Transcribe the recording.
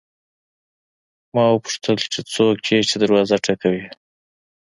ما وپوښتل چې څوک یې چې دروازه ټکوي.